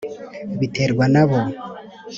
biterwa na bo